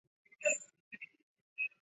北斗神拳的剧情约略可分为以下部分。